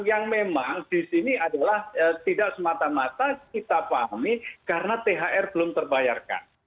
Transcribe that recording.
yang memang di sini adalah tidak semata mata kita pahami karena thr belum terbayarkan